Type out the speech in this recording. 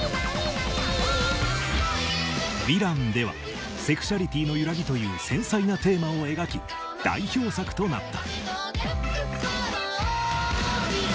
「ヴィラン」ではセクシャリティーの揺らぎという繊細なテーマを描き代表作となった。